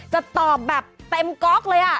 จะตอบแบบเต็มก๊อกเลย